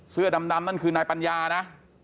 เสื้อดำนั่นคือนายปัญญานะ